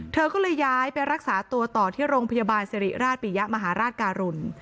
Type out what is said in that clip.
เธอก็เลยย้ายไปรักษาตัวต่อที่โรงพยาบาลสิริราชปิยะมหาราชการุล